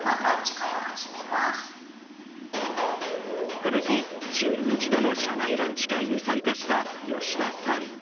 この日、週に一度の社内ランチ会に参加した吉田さん。